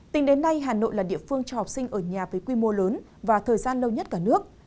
tính đến nay hà nội là địa phương cho học sinh ở nhà với quy mô lớn và thời gian lâu nhất cả nước